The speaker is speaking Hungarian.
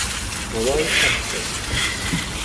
Nolai Szt.